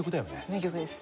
名曲です。